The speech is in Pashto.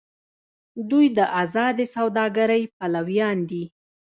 دوی د ازادې سوداګرۍ پلویان دي.